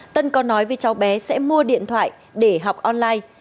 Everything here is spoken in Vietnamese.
tân có nói với cháu bé sẽ mua điện thoại để học online